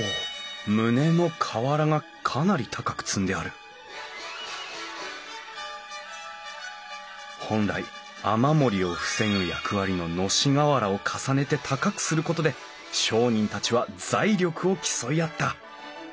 棟の瓦がかなり高く積んである本来雨漏りを防ぐ役割の熨斗瓦を重ねて高くすることで商人たちは財力を競い合った。